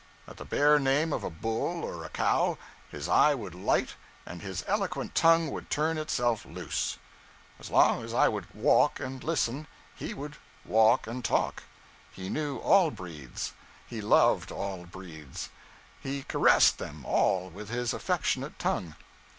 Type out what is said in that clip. At the bare name of a bull or a cow, his eye would light and his eloquent tongue would turn itself loose. As long as I would walk and listen, he would walk and talk; he knew all breeds, he loved all breeds, he caressed them all with his affectionate tongue.